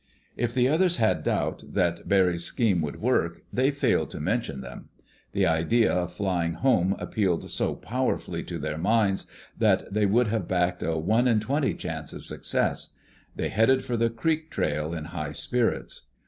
If the others had doubts that Barry's scheme would work, they failed to mention them. The idea of flying home appealed so powerfully to their minds that they would have backed a one in twenty chance of success. They headed for the creek trail in high spirits.